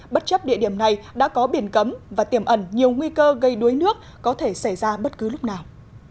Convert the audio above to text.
bất chấp địa điểm này đã có biển cấm và tiềm ẩn nhiều nguy cơ gây đuối nước có thể xảy ra bất cứ lúc nào